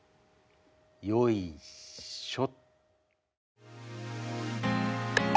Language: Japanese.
よいしょ。